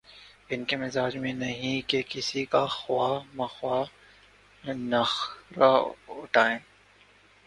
ان کے مزاج میں نہیں کہ کسی کا خواہ مخواہ نخرہ اٹھائیں۔